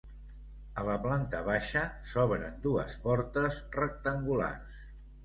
A la planta baixa s'obren dues portes rectangulars.